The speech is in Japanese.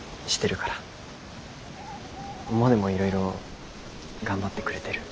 モネもいろいろ頑張ってくれてる。